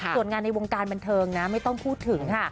ส่วนงานในวงการบันเทิงนะไม่ต้องพูดถึงค่ะ